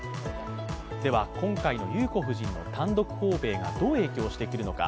今回の裕子夫人の単独訪米がどう影響してくるのか。